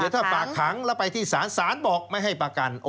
ถ้าฝากขังแล้วไปที่ศาลศาลบอกไม่ให้ประกัน